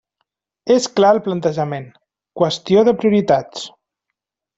És clar el plantejament: qüestió de prioritats.